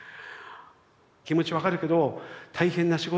気持ち分かるけど大変な仕事ではある。